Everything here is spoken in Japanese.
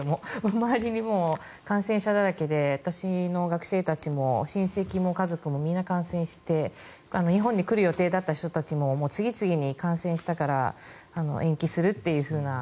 周りに感染者だらけで私の学生たちも親戚も家族もみんな感染して日本に来る予定だった人たちも次々に感染したから延期するというような。